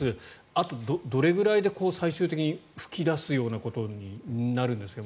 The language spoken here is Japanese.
あとどれぐらいで最終的に噴き出すようなことになるんですか。